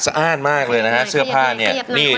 สะอาดมากเลยนะคะเสื้อผ้านี่